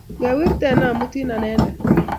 ngewirten amutin anendet